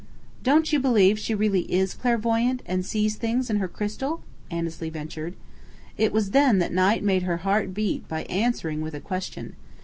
"Don't you believe she really is clairvoyant, and sees things in her crystal?" Annesley ventured. It was then that Knight made her heart beat by answering with a question.